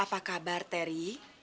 apa kabar teri